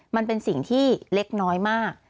มันเป็นสิ่งที่เล็กน้อยมาก